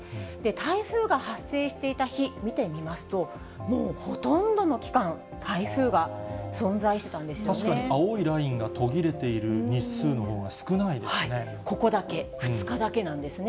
台風が発生していた日、見てみますと、もうほとんどの期間、確かに青いラインが途切れてここだけ、２日だけなんですね。